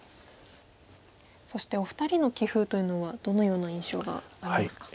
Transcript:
そしてお二人の棋風というのはどのような印象がありますか。